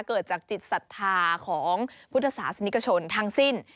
เกิดจากจิตศรัทธาของพุทธศาสนิกชนทั้งสิ้น